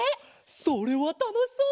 それはたのしそう！